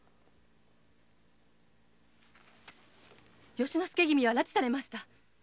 由之助君は拉致されました。